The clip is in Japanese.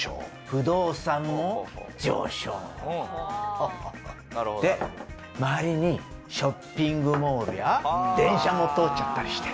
ホホホで周りにショッピングモールや電車も通っちゃったりして。